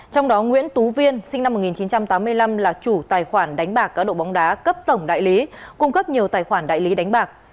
trong đó nguyễn tú viên sinh năm một nghìn chín trăm tám mươi năm là chủ tài khoản đánh bạc cá độ bóng đá cấp tổng đại lý cung cấp nhiều tài khoản đại lý đánh bạc